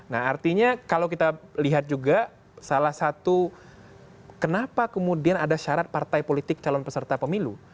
nah artinya kalau kita lihat juga salah satu kenapa kemudian ada syarat partai politik calon peserta pemilu